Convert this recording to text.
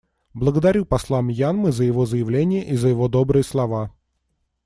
Благодарю посла Мьянмы за его заявление и за его добрые слова.